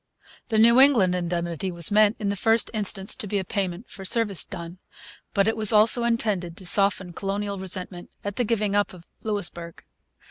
The New England indemnity was meant, in the first instance, to be a payment for service done. But it was also intended to soften colonial resentment at the giving up of Louisbourg.